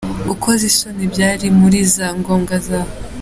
Kugukoza isoni byari muri za ngombwa zabo